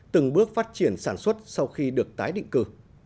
từng bước phát triển sản xuất sau khi được tái định cư